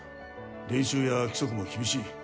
練習や規則も厳しい